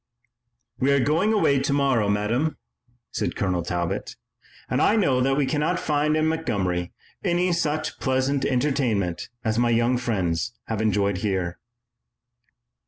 "We are going away tomorrow, Madame," said Colonel Talbot, "and I know that we cannot find in Montgomery any such pleasant entertainment as my young friends have enjoyed here."